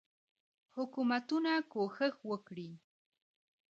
حکومتونه کوښښ وکړي.